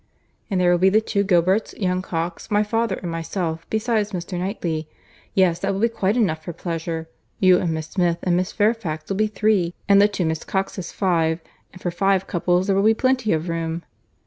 "And there will be the two Gilberts, young Cox, my father, and myself, besides Mr. Knightley. Yes, that will be quite enough for pleasure. You and Miss Smith, and Miss Fairfax, will be three, and the two Miss Coxes five; and for five couple there will be plenty of room."